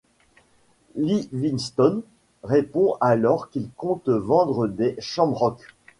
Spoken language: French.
Livingstone répond alors qu'il compte vendre les Shamrocks.